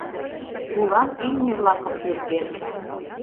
Тулан имне-влакым пӱрген.